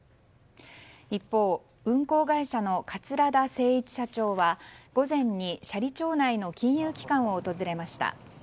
一方、運航会社の桂田精一社長は午前に斜里町内の金融機関を訪れました。